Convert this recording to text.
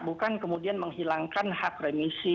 bukan kemudian menghilangkan hak remisi